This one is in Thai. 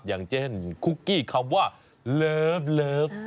อย่างเจ้นคุกกี้คำว่าเลิฟเลิฟ